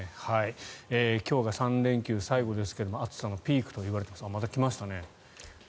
今日が３連休最後ですが暑さのピークと言われていますがまた来ましたね。